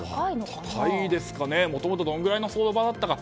高いですかね、もともとどれぐらいの相場だったか。